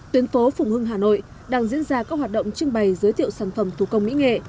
tuyến phố phùng hưng hà nội đang diễn ra các hoạt động trưng bày giới thiệu sản phẩm thủ công mỹ nghệ